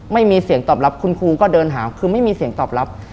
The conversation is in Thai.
ไม่มีเสียงตอบรับคุณครูก็เดินหาคือไม่มีเสียงตอบรับ